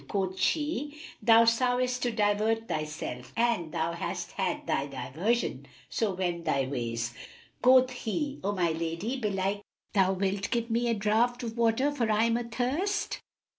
Quoth she, "Thou soughtest to divert thyself[FN#311] and thou hast had thy diversion; so wend thy ways." Quoth he, "O my lady, belike thou wilt give me a draught of water, for I am athirst."